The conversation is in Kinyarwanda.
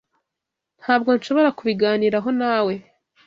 Ntabwo nshobora kubiganiraho nawe.